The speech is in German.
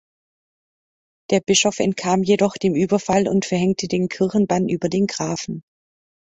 Der Bischof entkam jedoch dem Überfall und verhängte den Kirchenbann über den Grafen.